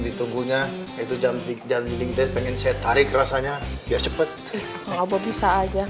ditunggunya itu jam tidik jam mending teh pengen saya tarik rasanya biar cepet ngobrol bisa aja